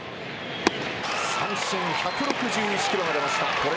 三振、１６１キロが出ました。